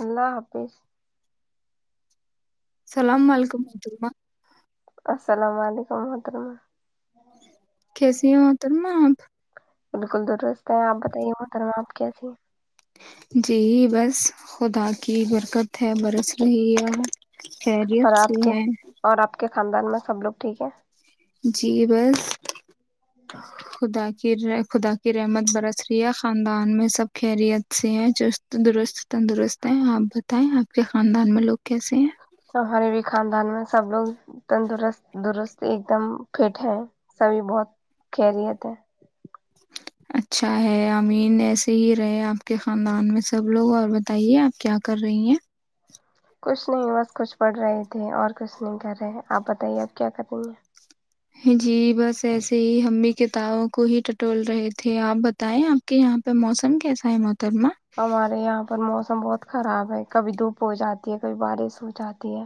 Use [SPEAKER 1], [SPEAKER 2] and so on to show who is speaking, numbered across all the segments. [SPEAKER 1] اللہ حافظ
[SPEAKER 2] السلام
[SPEAKER 1] اللاملیک
[SPEAKER 2] علیکم محترمہ
[SPEAKER 1] السلام علیکم وح طرہ
[SPEAKER 2] کیسی ہو تر میں آپ
[SPEAKER 1] بالکل درست ہے آپ بتائیے وہ کرم آپ کیسیے
[SPEAKER 2] جی بس خدا کی برکت ہے برس رہی اور خیریت
[SPEAKER 1] اور آپ
[SPEAKER 2] سے
[SPEAKER 1] کے
[SPEAKER 2] ہے
[SPEAKER 1] اور آپ کے خاندان میں سب لگ ٹھیک ہے
[SPEAKER 2] جی بس
[SPEAKER 1] ج
[SPEAKER 2] خدا کی خدا کی رحمت برس رہی ہے خاندان میں سب خیریت سے ہے چست درست تندرست ہے آپ بتائیں آپ کے خاندان میں لوگ کیسے ہیں
[SPEAKER 1] ہمارے بھی خاندان میں سب لوگ تندرست درست ایک دم فٹ ہے سبھی بہت کیری تھا ہے
[SPEAKER 2] اچھا ہے امین ایسے ہی رہے آپ کے خاندان میں سب لوگ اور بتائیے آپ کیا کر رہی ہیں
[SPEAKER 1] کچھ نہیں بس کچھ پڑھ رہے تھے اور کچھ نہیں کر رہے آپ بتائیے اب کیا کریں ہیں
[SPEAKER 2] ہ [unintelligible] جی بس ایسے ہی ہمیں کتابوں کو ہی ٹول رہے تھے آپ بتائیں آپ کے یہاں پہ موسم کیسا ہے موم
[SPEAKER 1] ہمارے یہاں پر موسم موسم بہت خراب ہے کبھی دھوپ ہو جاتی ہے کبھی بارش ہو جاتی ہے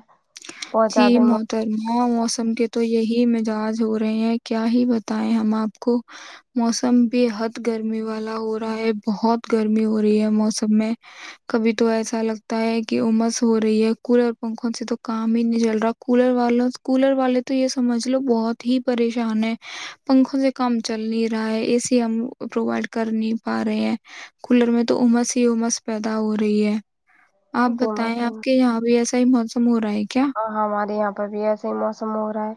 [SPEAKER 1] بہت
[SPEAKER 2] جی
[SPEAKER 1] زیادہ ہی موسم.
[SPEAKER 2] محترما موسم کے تو یہی ہی مزاج ہو رہے ہیں کیا ہی بتائے ہم آپ کو موسم بے حد گرمی والا ہو رہا ہے بہت گرمی ہو رہی ہے موسم میں کبھی تو ایسا لگتا ہے کہ امس ہو رہی ہے کولر پنکھوں سے تو کام کام ہی نہیں چل رہا کولر والوں کولر والے تو یہ سمجھ لو بہت ہی پریشان ہے پنکھوں سے کام چل نہیں رہا ہے اے سی ہم پرووائڈ کر نہیں پا رہے ہیں کولر میں تو امس ہی امس پیدا ہو رہی ہے آپ
[SPEAKER 1] جی
[SPEAKER 2] بتائیں آپ کے یہاں بھی ایسا مہوتسم ہو رہا ہے کیا
[SPEAKER 1] ہ ہاں ہمارے یہاں تو بھیھی ایسا ہی موسم ہو رہا ہے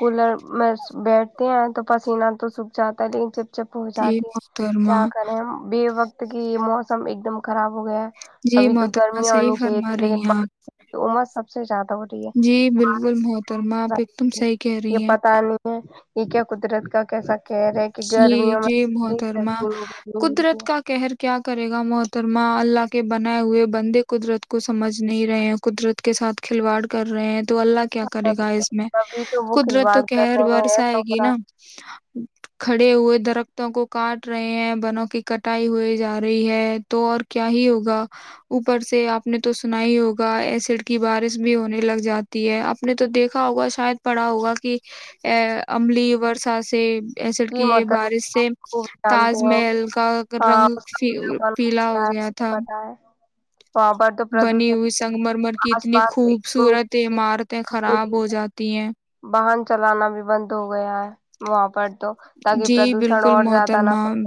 [SPEAKER 1] کولر میں بیڈ ہیں تو پسینہ تو سوکھ جاتا ہے لیکن جب جب ہو
[SPEAKER 2] جی
[SPEAKER 1] جاتی
[SPEAKER 2] محترمہ
[SPEAKER 1] کیا کریں بے وقت تو کہ یہ موسم ایک دم خراب ہو گیا
[SPEAKER 2] جی
[SPEAKER 1] ابھی تو
[SPEAKER 2] محترمہ
[SPEAKER 1] گرمیاں
[SPEAKER 2] صحیح
[SPEAKER 1] ہونی چاہیے
[SPEAKER 2] فرما
[SPEAKER 1] تھی
[SPEAKER 2] رہی
[SPEAKER 1] لیکن
[SPEAKER 2] ہیں آپ
[SPEAKER 1] بمر سک [unintelligible] سے زیادہ ہو رہی ہے
[SPEAKER 2] جی بالکل محترمہ آپ ایک دم صحیح کہہ
[SPEAKER 1] یہ
[SPEAKER 2] رہی ہیں
[SPEAKER 1] پتا نہیں ہے یہ کیا قدرت کا کیسک
[SPEAKER 2] جی جی محترما قدرت کا کہہر کیا کرے گا محترما اللہ کے بنائے ہوئے بندے قدرت کو سمجھ نہیں رہے ہیں قدرت کے ساتھ کھلواڑ کر رہے ہیں تو اللہ کیا کرے گا اس میں
[SPEAKER 1] تبھی تو وہ
[SPEAKER 2] قدرت
[SPEAKER 1] کھلواڑ
[SPEAKER 2] تو
[SPEAKER 1] کر
[SPEAKER 2] کہہر
[SPEAKER 1] رہے ہیں
[SPEAKER 2] ورس
[SPEAKER 1] ایسا
[SPEAKER 2] آئے
[SPEAKER 1] ہو
[SPEAKER 2] گی
[SPEAKER 1] رہا
[SPEAKER 2] نا کھڑے ہوئے درختوں کو کاٹ رہے ہیں بنوں کی کٹائی ہوئی جا رہی ہے تو اور کیا ہی ہوگا اوپر سے آپ نے تو سنا ہی ہوگا ایسڈ کی بارش بھی ہونے لگ جات ہے آپ نے تو دیکھا ہوگا شاید پڑھا ہوگا کہ ا عملی ورسا سے ایسڈ
[SPEAKER 1] جی
[SPEAKER 2] کی یہ
[SPEAKER 1] محترم
[SPEAKER 2] بارش
[SPEAKER 1] آپ
[SPEAKER 2] سے
[SPEAKER 1] خوب جانتے
[SPEAKER 2] تاج
[SPEAKER 1] ہیں
[SPEAKER 2] محل کا
[SPEAKER 1] ہاں
[SPEAKER 2] رنگ
[SPEAKER 1] اس کا پیلا کال
[SPEAKER 2] پیلا ہو
[SPEAKER 1] ہوتا ہے
[SPEAKER 2] گیا
[SPEAKER 1] مجھے
[SPEAKER 2] تھا
[SPEAKER 1] پتا ہے وہاں پر تو
[SPEAKER 2] بنی
[SPEAKER 1] پردوشن
[SPEAKER 2] ہوئی سنگ مرمر کی
[SPEAKER 1] آس
[SPEAKER 2] اتنی
[SPEAKER 1] پاس
[SPEAKER 2] خوبصورت عمارتیں خراب ہو جاتی ہیں
[SPEAKER 1] واہن چلانا بھی بند ہو گیا ہے وہاں پر [unintelligible] تاکہ
[SPEAKER 2] جی
[SPEAKER 1] پردوشن
[SPEAKER 2] بالکل
[SPEAKER 1] اور زیادہ نہ
[SPEAKER 2] محترما
[SPEAKER 1] پھیلے۔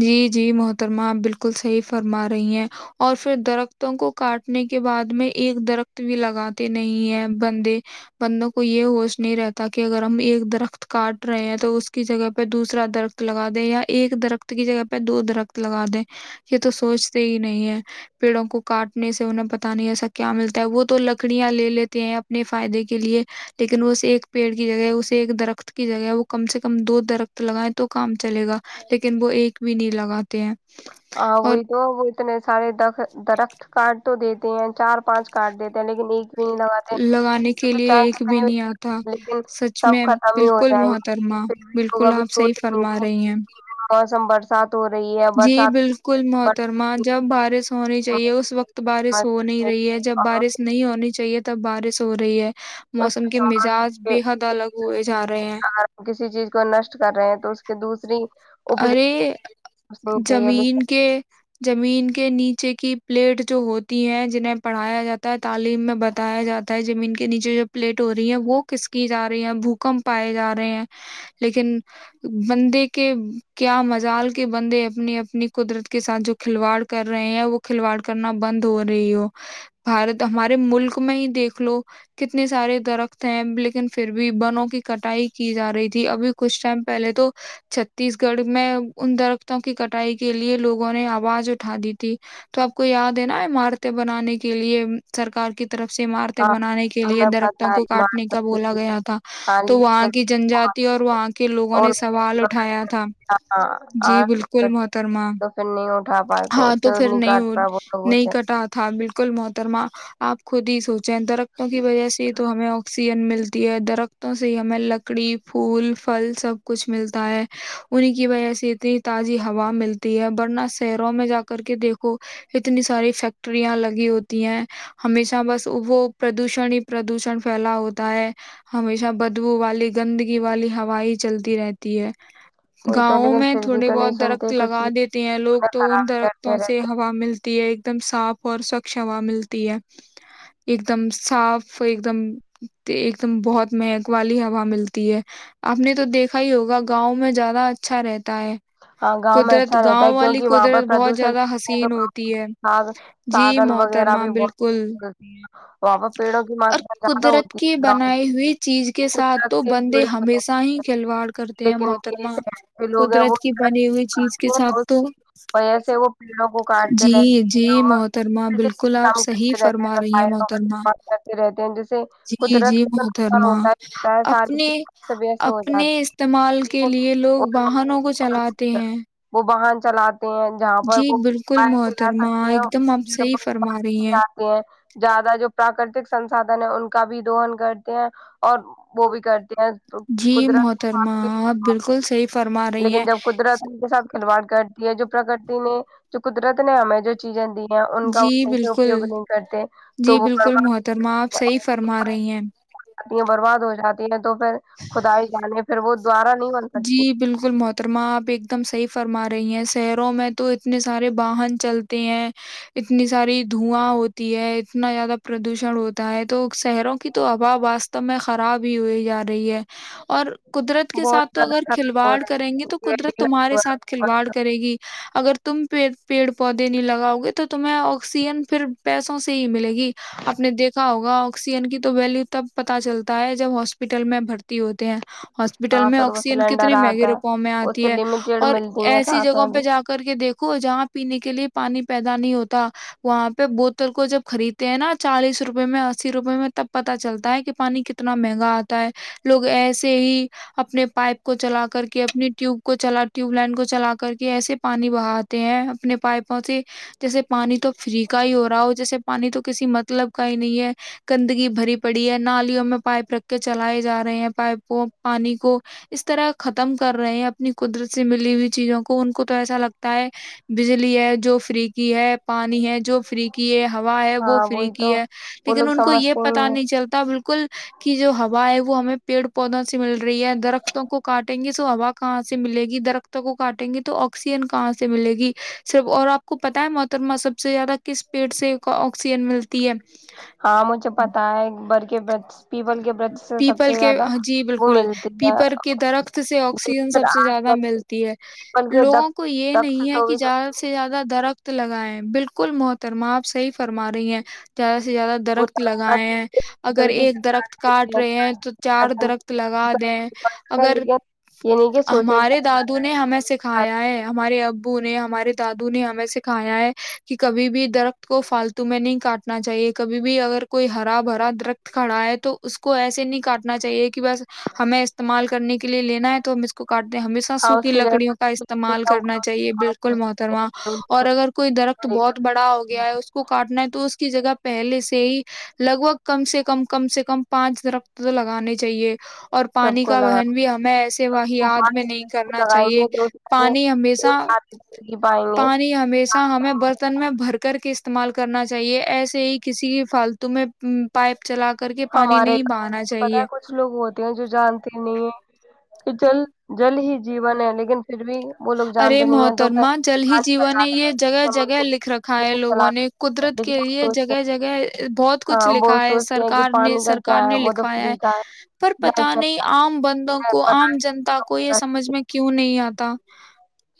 [SPEAKER 2] جی جی محترمہ آپ بالکل صحیح فرما رہی ہیں اور پھر درخت ت کو کاٹنے کے بعد میں ایک درخت بھی لگاتے نہیں ہے بندے بندوں کو یہ ہوش نہیں رہتا کہ اگر ہم ایک درخت کاٹ رہے ہیں تو اس کی جگہ پہ دوسرا درخت لگا دیں یا ایک درخت کی جگہ پہ دو درخت لگا دیں یہ تو سوچتے ہی نہیں ہے پیڑوں کو کاٹنے سے انہیں پتا نہیں ایسا کیا ملتا ہے وہ تو لکڑیاں لے لیتے ہیں اپنے فائدے کے لیے لیکن وہ ایک پیڑ کی جگہ ہے اس ایک درخت کی جگہ ہے وہ کم سے کم دو درخت لگائیں تو کام چلے گا لیکن ن وہ ایک بھی نہیں لگاتے ہیں
[SPEAKER 1] ہاں
[SPEAKER 2] اور
[SPEAKER 1] وہی تو وہ اتنے سارے د درخت کاارڈ تو دیتے ہیں چار پانچ کاٹ دیتے ہیں لیکن ایک بھی نہیں لگاتے
[SPEAKER 2] لگانے کے لیے
[SPEAKER 1] چائے
[SPEAKER 2] ایک بھی
[SPEAKER 1] کتنے
[SPEAKER 2] نہیں آتا
[SPEAKER 1] لیکن
[SPEAKER 2] سچ
[SPEAKER 1] سب
[SPEAKER 2] میں
[SPEAKER 1] ختم ہی ہو
[SPEAKER 2] بالکل
[SPEAKER 1] جائیں گے
[SPEAKER 2] محترما
[SPEAKER 1] پھر بھی لوگ
[SPEAKER 2] بالکل
[SPEAKER 1] ا
[SPEAKER 2] آپ صحیح
[SPEAKER 1] سوچ
[SPEAKER 2] فرما رہی ہیں
[SPEAKER 1] موسم بر ہو رہی ہے برسات
[SPEAKER 2] کل
[SPEAKER 1] برسات
[SPEAKER 2] محترما جب ب پس ہونی چاہیے اس وقت بارش ہو نہیں رہی ہے جب
[SPEAKER 1] اور
[SPEAKER 2] بارش نہیں ہونی چاہیے تو تب بارش ہو رہی ہے موسم کے مزاج بے حد الگ ہوئے جا رہے ہیں
[SPEAKER 1] کسی چیز کو نشٹ کر رہے ہیں تو اس کے دوسری اپج
[SPEAKER 2] ارے
[SPEAKER 1] نہیں چاہیے
[SPEAKER 2] زمین
[SPEAKER 1] لیکن
[SPEAKER 2] کے زمین کے نیچے کی پلیٹ جو ہوتی ہیں جنہیں پڑھایا جاتا ہے تعلیم میں بتایا جاتا ہے زمین کے نیچے جو پلیٹ ہو رہی ہے وہ کسکی جا رہی ہے بھوکمپ پائے جا رہے ہیں لیکن بندے کیا مزال کے بندے اپنی اپنی قدرت کے ساتھ جو کھلواڑ کر رہے ہیں وہ کھلواڑ کرنا بند ہو رہی ہو بھارت ہمارے ملک میں ہی دیکھ لو کتنے سارے درخت ہیں لیکن پھر بھی بنوں کی کٹائی کی جا رہی تھی ابھی کچھ ٹائم پہلے تو چھتیس گڑھ میں ان درختوں کی کٹائی کے لیے لوگوں نے آواز اٹھا دی تھی تو آپ کو یاد ہے نا عمارتیں بنانے کے لیے سرکار کی طرف سے عمارتیں
[SPEAKER 1] ہاں
[SPEAKER 2] بنانے کے لیے
[SPEAKER 1] ہمیں پتہ
[SPEAKER 2] درختوں
[SPEAKER 1] ہے
[SPEAKER 2] کو
[SPEAKER 1] ایمان
[SPEAKER 2] کاٹنے کا بولا
[SPEAKER 1] تبدیل ہے،
[SPEAKER 2] گیا تھا تو
[SPEAKER 1] خالی
[SPEAKER 2] وہاں
[SPEAKER 1] سے
[SPEAKER 2] کی جنجاتی اور وہاں کے لوگوں
[SPEAKER 1] اور
[SPEAKER 2] نے سوال اٹھایا جی بالکل محترما
[SPEAKER 1] تو پھر نہیں اٹھا پائے کو
[SPEAKER 2] ہاں تو پھر نہیں
[SPEAKER 1] کاٹ پائے وہ لوگوں
[SPEAKER 2] نہیں
[SPEAKER 1] سے
[SPEAKER 2] کٹا تھا بالکل محترما آپ کو خود ہی سوچ جند درتوں کی وجہ سے تو ہمیں آکسی س ملتی ہے درختوں سے ہمیں لکڑی پھول پھل سب کچھ ملتا ہے انہیں کی وجہ سے اتنی تازی ہوا ملتی ہے ورنہ شہروں میں جا کر کے دیکھو اتنی ساری فیکٹریاں لگی ہوتی ہیں ہمیشہ بس وہ پردوشن ہی پردوشن پھیلا ہوتا ہے ہمیشہ بدبو والی گندگی والی ہوا ہی چلتی رہتی ہے
[SPEAKER 1] کوئی تو
[SPEAKER 2] گاؤں
[SPEAKER 1] لیکن
[SPEAKER 2] میں
[SPEAKER 1] پھر بھی
[SPEAKER 2] تھوڑے
[SPEAKER 1] تو نہیں
[SPEAKER 2] بہت درخت
[SPEAKER 1] سنتے کچھ
[SPEAKER 2] لگا دیتے ہیں لوگ تو ان
[SPEAKER 1] خرابی
[SPEAKER 2] درختوں
[SPEAKER 1] کرتے
[SPEAKER 2] سے
[SPEAKER 1] رہتے
[SPEAKER 2] ہوا ملتی ہے ایک دم صاف اور سوچھ ہوا ملتی ہے ایک دم صاف ایک دم ایک دم بہت مہک والی ہوا ملتی ہے آپ نے تو دیکھا ہی ہوگا گاؤں میں ج اچھا رہتا
[SPEAKER 1] ہاں گاؤں میں
[SPEAKER 2] قدرت
[SPEAKER 1] اچھا رہتا
[SPEAKER 2] گاؤں
[SPEAKER 1] ہے
[SPEAKER 2] والی
[SPEAKER 1] کیونکہ وہاں پر
[SPEAKER 2] قدرت بہت
[SPEAKER 1] پردوشن
[SPEAKER 2] زیادہ حسین ہوتی ہے
[SPEAKER 1] آگ
[SPEAKER 2] جی
[SPEAKER 1] سادھن وغیرہ
[SPEAKER 2] محترما
[SPEAKER 1] بھی
[SPEAKER 2] بالکل
[SPEAKER 1] بہت وہاں پر پیڑوں کی
[SPEAKER 2] اور
[SPEAKER 1] ماترا زیادہ
[SPEAKER 2] قدرت
[SPEAKER 1] ہوتی
[SPEAKER 2] کی
[SPEAKER 1] ہے گاؤں
[SPEAKER 2] بنائی ہوئی چیز کے ساتھ
[SPEAKER 1] قدرت
[SPEAKER 2] تو
[SPEAKER 1] سے
[SPEAKER 2] بندے
[SPEAKER 1] جڑے ہوئے
[SPEAKER 2] ہمیشہ ہی کھلواڑ کرتے ہیں
[SPEAKER 1] لیکن
[SPEAKER 2] محترمہ
[SPEAKER 1] جو لوگ ہیں وہ
[SPEAKER 2] قدرت بنی ہوئی چیز کے
[SPEAKER 1] درخت ہیں،
[SPEAKER 2] ساتھ
[SPEAKER 1] اس
[SPEAKER 2] تو
[SPEAKER 1] وجہ سے وہ پیڑوں کو کاٹتے
[SPEAKER 2] جی جی
[SPEAKER 1] رہتے ہیں اور
[SPEAKER 2] محترما بالکل آپ
[SPEAKER 1] کام
[SPEAKER 2] صحیح
[SPEAKER 1] کرتے رہتے
[SPEAKER 2] فرما رہی ہیں مح
[SPEAKER 1] صفائیوں کا استعمال کرتے رہتے ہیں جیسے
[SPEAKER 2] جی
[SPEAKER 1] قدرت
[SPEAKER 2] جی
[SPEAKER 1] کا نقصان
[SPEAKER 2] محترما
[SPEAKER 1] ہوتا ہی ہوتا ہے ساری
[SPEAKER 2] اپنے
[SPEAKER 1] چیز سے ویست ہو
[SPEAKER 2] اپنے
[SPEAKER 1] جاتی
[SPEAKER 2] استعمال کے
[SPEAKER 1] ہے
[SPEAKER 2] لیے
[SPEAKER 1] اور
[SPEAKER 2] لوگ واہنوں کو چلاتے ہیں
[SPEAKER 1] وہ باہن چلاتے ہیں جہاں پر
[SPEAKER 2] جی
[SPEAKER 1] وہ
[SPEAKER 2] بالکل
[SPEAKER 1] پ چلا
[SPEAKER 2] محترمہ
[SPEAKER 1] سکتے ہیں
[SPEAKER 2] ایک
[SPEAKER 1] اس
[SPEAKER 2] دم
[SPEAKER 1] کی
[SPEAKER 2] آپ
[SPEAKER 1] جگہ
[SPEAKER 2] صحیح فرما
[SPEAKER 1] پرر
[SPEAKER 2] رہی
[SPEAKER 1] چ جاتے ہیں زیادہ جو پراکرتک سسادھن ہے ان کا بھی دوہن کرتے ہیں اور وہ بھی کرتے ہیں تو
[SPEAKER 2] جی
[SPEAKER 1] قدرت کا
[SPEAKER 2] محترمہ آپ بالکل صحیح فرما رہی
[SPEAKER 1] لیکن
[SPEAKER 2] ہیں
[SPEAKER 1] جب قدرت ان کے ساتھ کلواڑ کرتی ہے جو پرکرتی نے جو قدرت نے ہمیں جو چیزیں دی ہیں ان کا وہ
[SPEAKER 2] جی
[SPEAKER 1] صحیح سے
[SPEAKER 2] بالکل
[SPEAKER 1] اپیوگ نہیں کرتے
[SPEAKER 2] جی
[SPEAKER 1] تو وہ
[SPEAKER 2] بالکل
[SPEAKER 1] برباد ہو
[SPEAKER 2] محترمہ آپ
[SPEAKER 1] جاتی
[SPEAKER 2] صحیح فرما رہی ہیں
[SPEAKER 1] برباد ہو جاتی ہے تو پھر خدائی جانے پھر وہ دوارہ نہیں بن سکتی
[SPEAKER 2] جی بالکل محترمہ آپ ایک دم صحیح فرما رہی ہیں شہروں میں تو اتنے سارے واہن چلتے ہیں اتنی ساری دھواں ہوتی ہے اتنا زیادہ پردوشن ہوتا ہے تو شہروں کی تو آبا واستو میں خراب بھی ہوئے یاد رہی ہے اور قدرت کے
[SPEAKER 1] بہت
[SPEAKER 2] ساتھ تو
[SPEAKER 1] زیادہ
[SPEAKER 2] اگر
[SPEAKER 1] خراب ہو
[SPEAKER 2] کھلواڑ کریں گے تو قدرت
[SPEAKER 1] رہی
[SPEAKER 2] تمہارے ساتھ کھلواڑ
[SPEAKER 1] ہے۔
[SPEAKER 2] کرے گی اگر تم پیڑ پودے نہیں لگاؤ گے تو تمہیں سیجن پھر پیسوں سے ہی ملے گی آپ نے دیکھا ہوگا کسیجن کی تو ویلو تب پتا چلتا ہے جب ہاسپٹل میں بھرتی ہوتے ہیں ہاسپٹل
[SPEAKER 1] ہاں
[SPEAKER 2] میں
[SPEAKER 1] پھر وہ
[SPEAKER 2] آکسیجن
[SPEAKER 1] سلینڈر
[SPEAKER 2] کتنے مہنگی
[SPEAKER 1] آتا ہے
[SPEAKER 2] روپاؤ میں
[SPEAKER 1] اس
[SPEAKER 2] آتی
[SPEAKER 1] سے
[SPEAKER 2] ہے
[SPEAKER 1] لمیٹیڈ
[SPEAKER 2] اور
[SPEAKER 1] ملتی ہیں
[SPEAKER 2] ایسی
[SPEAKER 1] سانسیں
[SPEAKER 2] جگہوں پہ
[SPEAKER 1] بھی
[SPEAKER 2] جا کر کے دیکھ جہاں پینے کے لیے پانی پیدا نہیں ہوتا وہاں پہ بوتل کو جب خریدتے ہیں نا چالیس روپے میں اسی روپے میں تب پتا چلتا ہے کہ پانی کتنا مہنگا آتا لوگ ایسے ہی اپنے پائپ کو چلا کر کے اپنی ٹیوب کو چ ٹیوب لائن کو چلا کر کے ایسے پانی بہاتے ہیں اپنے پائپوں سے جیسے پانی تو فری کا ہی ہو رہا ہو جیسے پانی تو کسی مطلب کا ہی نہیں ہے گندگی بھری پڑی ہے نالیوں میں پائپ رکھ چلائے جا رہے ہیں پائپوں پانی کو اس طرح ختم کر رہے ہیں اپنی قدرت سے ملی ہوئی چیزوں کو ان کو تو ایسا لگتا ہے بجلی ہے جو فری کی ہے پانی ہے جو فری کی ہے ہوا ہے وہ
[SPEAKER 1] ہاں
[SPEAKER 2] فری
[SPEAKER 1] وہی
[SPEAKER 2] کی
[SPEAKER 1] تو
[SPEAKER 2] ہے
[SPEAKER 1] وہ
[SPEAKER 2] لیکن
[SPEAKER 1] لوگ
[SPEAKER 2] ان کو یہ
[SPEAKER 1] سمجھتے ہی
[SPEAKER 2] پتا نہیں چلتا بالکل جو ہوا ہے وہ ہمیں پیڑ پودوں سے مل رہ رہی ہے درختوں کو کاٹیں گے ہوا کہاں سے ملے گی درخت کو کاٹیں گے تو آکسیجن کہاں سے ملے گی صرف اور آپ کو پتا ہے محترما سب سے زیادہ کس پیڑ سے کا آکسیجن ملتا
[SPEAKER 1] ہاں مجھے پتا ہے ایک برک کے بس
[SPEAKER 2] پیپل کے جی
[SPEAKER 1] وہ
[SPEAKER 2] بالکل
[SPEAKER 1] ملتی ہے
[SPEAKER 2] پیپل کے درخت سے آکسیجن
[SPEAKER 1] لیکن
[SPEAKER 2] سب سے
[SPEAKER 1] آج
[SPEAKER 2] زیادہ
[SPEAKER 1] کل
[SPEAKER 2] ملتی ہے
[SPEAKER 1] بلکہ د
[SPEAKER 2] لوگوں کو یہ
[SPEAKER 1] دکش
[SPEAKER 2] نہیں
[SPEAKER 1] تو
[SPEAKER 2] ہے کہ
[SPEAKER 1] بھی تو
[SPEAKER 2] زیادہ سے زیادہ درخت لگایں بالکل محترما آپ صحیح فرما رہی ہیں زیادہ سے سے زیادہ
[SPEAKER 1] وہ
[SPEAKER 2] درخت
[SPEAKER 1] لگتا
[SPEAKER 2] لگائے ہیں
[SPEAKER 1] ہے
[SPEAKER 2] اگر
[SPEAKER 1] جلدی
[SPEAKER 2] ایک
[SPEAKER 1] سے
[SPEAKER 2] درخت کاٹ
[SPEAKER 1] دیتے
[SPEAKER 2] رہے ہیں تو چار
[SPEAKER 1] کاٹ دیتے
[SPEAKER 2] درخت
[SPEAKER 1] ہیں،
[SPEAKER 2] لگا دیں
[SPEAKER 1] کاٹ دیتے ہیں،
[SPEAKER 2] اگر
[SPEAKER 1] لیکن یہ نہیں کہ سوچیں
[SPEAKER 2] ہمارے
[SPEAKER 1] کہ
[SPEAKER 2] دادو نے ہمیں سکھایا ہے ہمارے ابو نے ہمارے دادو نے ہمیں سےکھا ہے کہ کبھی بھی درخت کو فالتو میں نہیں کاٹنا چاہیے کبھی بھی اگر کوئی ہرا بھرا درخت کھڑا ہے تو تو اس کو ایسے نہیں کاٹنا چاہیے کہ کہ بس ہمیں استعمال کرنے کے لیے لینا ہے تو ہم اس کو کاٹتے ہیں ہمیشہ
[SPEAKER 1] ہاؤس
[SPEAKER 2] سوکھی
[SPEAKER 1] کی جگہ
[SPEAKER 2] لکڑیوں کا استعمال کرنا چاہیے بالکل محترمہ اور اگر کوئی درخت بہت بڑا ہو گیا ہے اس کو کاٹنا ہے تو اس کی جگہ پہلے سے ہی لگ بھگ کم سے کم کم سے کم پانچ درخت لگانے چاہیے [unintelligible] اور
[SPEAKER 1] سب
[SPEAKER 2] پانی
[SPEAKER 1] کو
[SPEAKER 2] کا
[SPEAKER 1] لگا
[SPEAKER 2] وہن بھی ہمیں ایسے ویاد میں نہیں کرنا
[SPEAKER 1] لگائیں
[SPEAKER 2] چاہیے
[SPEAKER 1] گے تو اس سے
[SPEAKER 2] پانی
[SPEAKER 1] وہ
[SPEAKER 2] ہمیشہ
[SPEAKER 1] کھا پی پائیں گے
[SPEAKER 2] پانی ہمیشہ ہمیں برتن میں بھر کر کے استعمال کرنا چاہیے ایسے ہی کسی کی فالتو میں پائپ چلا کر کے پانی
[SPEAKER 1] ہمارے
[SPEAKER 2] نہیں بہانا
[SPEAKER 1] گاؤں پتا ہے
[SPEAKER 2] چاہیے
[SPEAKER 1] کچھ لوگ ہوتے ہیں جو جانتے نہیں ہیں کہ جل جل ہی جیون ہے لیکن پھر بھی وہ لوگ
[SPEAKER 2] ارے
[SPEAKER 1] جانتے نہیں ہیں دوپہر
[SPEAKER 2] محترما جل ہی
[SPEAKER 1] پانچ
[SPEAKER 2] جیوون
[SPEAKER 1] پھیلاتے
[SPEAKER 2] یہ
[SPEAKER 1] رہتے ہیں،
[SPEAKER 2] جگہ
[SPEAKER 1] کمر
[SPEAKER 2] جگہ
[SPEAKER 1] کو
[SPEAKER 2] لکھ رکھا ہے
[SPEAKER 1] بھی
[SPEAKER 2] لوگوں نے
[SPEAKER 1] چلاتے ہیں،
[SPEAKER 2] قدرت
[SPEAKER 1] لیکن
[SPEAKER 2] کے
[SPEAKER 1] وہ
[SPEAKER 2] لیے
[SPEAKER 1] سوچتے
[SPEAKER 2] جگہ
[SPEAKER 1] ہیں
[SPEAKER 2] جگہ بہت
[SPEAKER 1] ہاں
[SPEAKER 2] کچھ
[SPEAKER 1] وہ
[SPEAKER 2] لکھا ہے
[SPEAKER 1] سوچتے ہیں کہ
[SPEAKER 2] سرکار
[SPEAKER 1] پانی کا کیا
[SPEAKER 2] سرکار
[SPEAKER 1] ہے
[SPEAKER 2] نے
[SPEAKER 1] وہ تو
[SPEAKER 2] لکھوایا ہے
[SPEAKER 1] فری کا
[SPEAKER 2] پر پتا نہیں عام بندوں
[SPEAKER 1] ہیں،
[SPEAKER 2] کو
[SPEAKER 1] پتہ
[SPEAKER 2] آم
[SPEAKER 1] نہیں۔
[SPEAKER 2] جنتا کو یہ سمجھ میں کیوں نہیں ہے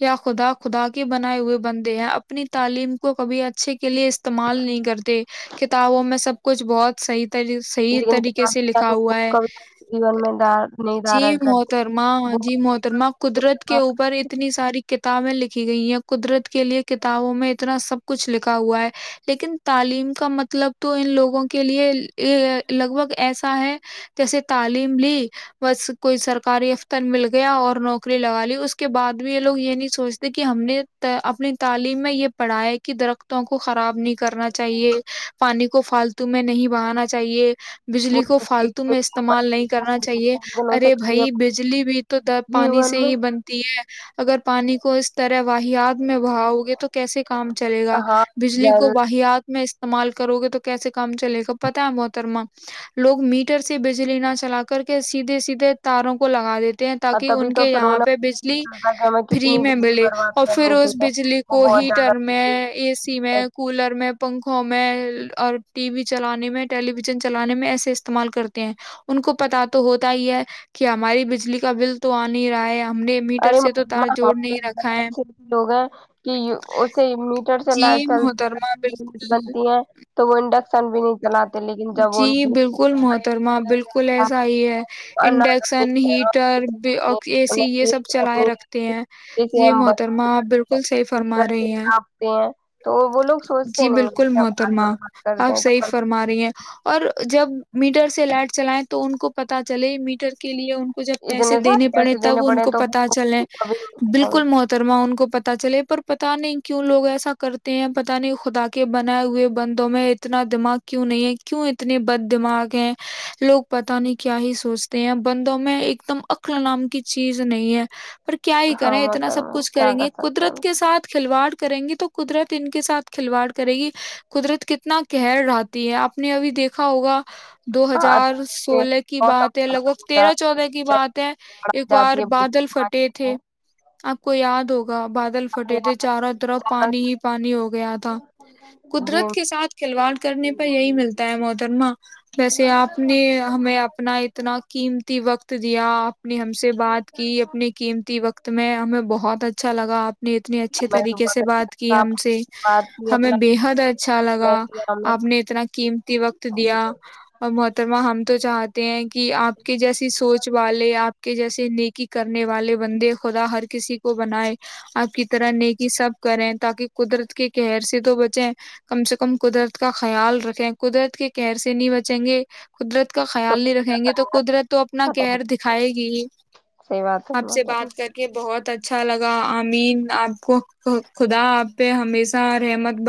[SPEAKER 2] یا خدا خدا کے بنائے ہوئے بند ہیں اپنی تعلیم کو کبھی اچھے کے لیے استعمال نہیں کرتے کتابوں میں سب کچھ بہت صحیح طری صحیح
[SPEAKER 1] لیکن
[SPEAKER 2] طریقے سے لکھا ہوا ہے
[SPEAKER 1] ک کھی جون میں ڈر نہیں
[SPEAKER 2] جی
[SPEAKER 1] دھارن کرتے
[SPEAKER 2] محترما
[SPEAKER 1] وہ
[SPEAKER 2] جی محترما قدرت کے اوپر اتنی ساری کتابیں لکھی گئی ہیں قدرت کے لیے کتابوں میں اتنا سب کچھ لکھا ہوا ہے لیکن تعلیم کا مطلب تو ان لوگوں کے لیے لگ بھگ ایسا ہے جیسے تعلیم بھی بس کوئی سرکاری افتر مل گیا اور نوکری لگا لی اس کے بعد بھی یہ لوگ یہ نہیں سوچتے کہ ہم نے اپنی تعلیم میں یہ پڑھایا کہ درختوں کو خراب نہیں کرنا چاہیے پانی کو فالتو میں نہیں بہانا چاہیے
[SPEAKER 1] وہ
[SPEAKER 2] بجلی کو
[SPEAKER 1] دیکھ
[SPEAKER 2] فالتو
[SPEAKER 1] لیتے
[SPEAKER 2] میں
[SPEAKER 1] ہیں،
[SPEAKER 2] استعمال نہیں کرنا چاہیے
[SPEAKER 1] لیکن اسے
[SPEAKER 2] ارے
[SPEAKER 1] کبھی
[SPEAKER 2] بھائی
[SPEAKER 1] اپنے
[SPEAKER 2] بجلی بھی تو در پانی سے
[SPEAKER 1] جیون میں
[SPEAKER 2] ہی بنتی ہے اگر پانی کو اس طرح وحیات میں بہاؤ گے تو کیسے کام چلے گا
[SPEAKER 1] ہاں
[SPEAKER 2] بجلی
[SPEAKER 1] جل
[SPEAKER 2] کو واہیات میں استعمال کرو گے تو کیسے کام چلے گا پتتا ہے محترما لوگ میٹر سے بجلی نہ چلا کر کے سیدھے سیدھے تاروں کو لگا دیتے ہیں
[SPEAKER 1] اور
[SPEAKER 2] تاکہ
[SPEAKER 1] تبھی
[SPEAKER 2] ان
[SPEAKER 1] تو
[SPEAKER 2] کے
[SPEAKER 1] پھر
[SPEAKER 2] یہاں
[SPEAKER 1] انہیں
[SPEAKER 2] پہ
[SPEAKER 1] پتا
[SPEAKER 2] بجلی
[SPEAKER 1] چلتا کہ ہمیں
[SPEAKER 2] فری
[SPEAKER 1] کتنی
[SPEAKER 2] میں
[SPEAKER 1] بجلی
[SPEAKER 2] ملے
[SPEAKER 1] برباد
[SPEAKER 2] اور پھر
[SPEAKER 1] کرنی
[SPEAKER 2] اس
[SPEAKER 1] چاہیے
[SPEAKER 2] بجلی
[SPEAKER 1] وہ
[SPEAKER 2] کو
[SPEAKER 1] بہت زیادہ
[SPEAKER 2] ہیٹر
[SPEAKER 1] بجلی
[SPEAKER 2] میں اے سی میں کولر میں پنکھوں میں اور ٹی وی چلانے میں ٹیلی ویژن چلانے میں ایسے استعمال کرتے ہیں ان کو پتا تو ہوتا تئی ہے کہ ہماری بجلی کا بل تو آ نہیں ہی رہا ہے ہم نے میٹر
[SPEAKER 1] ارے
[SPEAKER 2] سے تو تار جوڑ نہیں رکھا ہے
[SPEAKER 1] لوگ ہیں کہ اسے میٹر سے
[SPEAKER 2] جی
[SPEAKER 1] لائٹ
[SPEAKER 2] محترما
[SPEAKER 1] چلتیٹ
[SPEAKER 2] بالکل
[SPEAKER 1] بنتی ہے تو وہ انڈکشن بھی نہیں چلاتے لیکن جب
[SPEAKER 2] جی
[SPEAKER 1] ان کی
[SPEAKER 2] بالکل محترما بالکل ایسا ہی ہے انڈکشن ہیٹر اے سی یہ سب چلائے رکھتے ہیں
[SPEAKER 1] جسے
[SPEAKER 2] یہ
[SPEAKER 1] ہم
[SPEAKER 2] محترمہ آپ بالکل صحیح فرما
[SPEAKER 1] میٹر سے
[SPEAKER 2] رہے ہیں
[SPEAKER 1] چھاپتے ہیں تو وہ لوگ
[SPEAKER 2] جی
[SPEAKER 1] سوچتے نہیں ہیں
[SPEAKER 2] بالکل
[SPEAKER 1] کہ ہم آج
[SPEAKER 2] محترمہ
[SPEAKER 1] برباد کرتے
[SPEAKER 2] آپ
[SPEAKER 1] ہیں تو
[SPEAKER 2] صحیح
[SPEAKER 1] کل
[SPEAKER 2] فرما رہی ہیں اور جب میٹر سے لائٹ چلیں تو ان کو پتا چلے میٹر کے لیے ان کو جب پیسے
[SPEAKER 1] اتنے سارے
[SPEAKER 2] دینے پڑے
[SPEAKER 1] پیسے دینے
[SPEAKER 2] تب ان
[SPEAKER 1] پڑے
[SPEAKER 2] کو
[SPEAKER 1] تو
[SPEAKER 2] پتا چلے
[SPEAKER 1] کبھی نہیں کھلائیں
[SPEAKER 2] بالکل
[SPEAKER 1] گے۔
[SPEAKER 2] محترما ان کو پتا چلے پر پتا نہیں کیوں لوگ ایسا کرتے ہیں پتہ نہیں خدا کے بنائے ہوئے بندوں میں اتنا دماغ کیوں نہیں ہے کیوں اتنے بد دماغ ہیں لوگ پتا نہیں کیا ہی سوچتے ہیں بندوں میں ایک دم اکل نام کی چیز نہیں ہے اور کیا ہی
[SPEAKER 1] ہاں
[SPEAKER 2] کریں اتنا سب
[SPEAKER 1] محترم
[SPEAKER 2] کچھ
[SPEAKER 1] کیا
[SPEAKER 2] کریں
[SPEAKER 1] کر
[SPEAKER 2] گے
[SPEAKER 1] سکتے ہیں
[SPEAKER 2] قدرت
[SPEAKER 1] ہم
[SPEAKER 2] کے
[SPEAKER 1] تو۔
[SPEAKER 2] ساتھ کھلواڑ کو کریں گی تو قدرت ان کے ساتھ کھلواڑ کرے گی قدرت کتنا کہر رات ہے آپ نے ابھی دیکھا ہوگا دو
[SPEAKER 1] ہاں اچھے
[SPEAKER 2] ہزار
[SPEAKER 1] سے
[SPEAKER 2] سولہ کی
[SPEAKER 1] موسم
[SPEAKER 2] بات ہے لگ
[SPEAKER 1] خراب
[SPEAKER 2] بھگ
[SPEAKER 1] ہو جاتا
[SPEAKER 2] تیرہ چودہ کی بات ہے ایک
[SPEAKER 1] خراب
[SPEAKER 2] بار
[SPEAKER 1] جاتی ہے بھوک
[SPEAKER 2] بادل
[SPEAKER 1] مار
[SPEAKER 2] پھٹے تھے
[SPEAKER 1] جاتی
[SPEAKER 2] آپ کوئی یاد ہوگا بادل
[SPEAKER 1] ہے۔
[SPEAKER 2] پھٹے تھے چاروں طرف پانی
[SPEAKER 1] اچانک
[SPEAKER 2] ہی پانی ہو گیا تھا
[SPEAKER 1] جی
[SPEAKER 2] قدرت کے ساتھ کھلواڑ کرنے یہی ملتا ہے موت جنم ویسے آپ نے ہمیں اپنا اتنا قیمتی وقت تورییا اپ نے ہم سے بات کی اپنے قیمتی وقت میں ہمیں بہت اچھا لگا آپ نے اتنے اچھے
[SPEAKER 1] میں
[SPEAKER 2] طریقے
[SPEAKER 1] بہت
[SPEAKER 2] سے بات کی
[SPEAKER 1] اچھا آپ
[SPEAKER 2] ہم سے
[SPEAKER 1] بات کی،
[SPEAKER 2] ہمیں
[SPEAKER 1] اپنا
[SPEAKER 2] بے حد اچھا
[SPEAKER 1] میں
[SPEAKER 2] لگا
[SPEAKER 1] کیا ہم
[SPEAKER 2] آپ نے قیمتی وقت دیا اور محترمہ ہم تو چاہتے ہیں کہ آپ کے جیسی سوچ والے آپ کے جیسے نیکی کرنے والے بندے خدا ہر کسی کو بنائے آپ کی طرح نیکی سب کریں تاکہ قدرت کے قہر سے تو بچیں کم سے کم قدرت کا خیال رکھیں قدرت کے کیر سے نہیں بچیں گے قدرت کا
[SPEAKER 1] تو
[SPEAKER 2] خیال نہیں رکھیں گے تو قدرت تو اپنا
[SPEAKER 1] ختم۔
[SPEAKER 2] کیہر دکھائے گی ہی
[SPEAKER 1] صحیح بات ہے
[SPEAKER 2] آپ سے
[SPEAKER 1] محترم
[SPEAKER 2] بات کر کے بہت اچ اچھا لگا آمین آپ کو خدا آپ پہ ہمیشہ رحمت ب